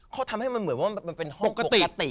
เขาทำให้มันเหมือนว่ามันเป็นห้องปกติ